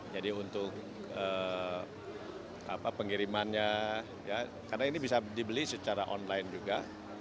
jadi untuk pengirimannya karena ini bisa dibeli secara online juga